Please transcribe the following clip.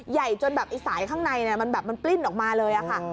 ใหญ่จนแบบสายข้างในมันปลิ้นออกมาเลยค่ะ